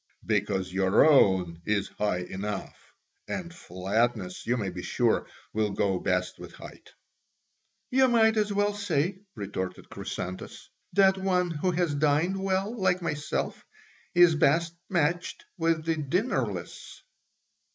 "Because your own is high enough, and flatness, you may be sure, will go best with height." "You might as well say," retorted Chrysantas, "that one who has dined well, like myself, is best matched with the dinnerless."